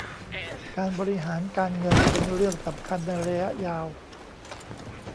การบริหารการเงินเป็นเรื่องสำคัญในระยะยาว